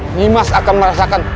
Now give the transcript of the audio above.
nyimas akan merasakan